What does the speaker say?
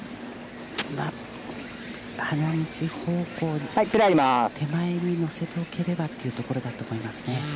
花道方向、手前に、乗せておければというところだと思いますね。